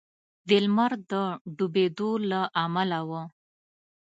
د لمر د ډبېدو له امله و.